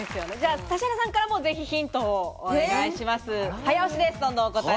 指原さんからヒントをお願いします。